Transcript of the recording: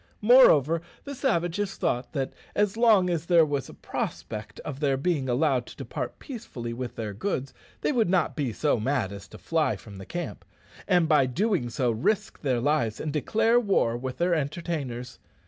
Moreover, the savages thought that as long as there was a prospect of their being allowed to depart peaceably with their goods, they would not be so mad as to fly from the camp, and, by so doing, risk their lives and declare war with their entertainers.